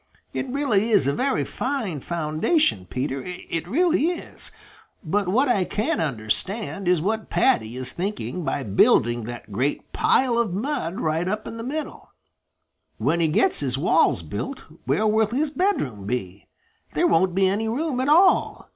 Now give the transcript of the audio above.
It really is a very fine foundation, Peter; it really is. But what I can't understand is what Paddy is thinking of by building that great pile of mud right in the middle. When he gets his walls built, where will his bedroom be? There won't be any room at all.